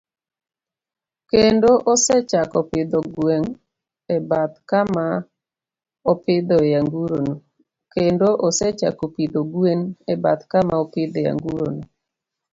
Kendo osechako pidho gwen e bath kama opidhoe anguro no.